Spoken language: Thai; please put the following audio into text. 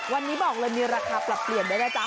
วันนี้บอกเลยมีราคาปรับเปลี่ยนด้วยนะจ๊ะ